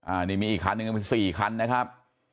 อ่านี่มีอีกคันนึง๔คันนะครับ